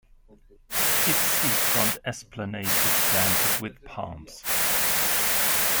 Its seafront esplanade is planted with palms.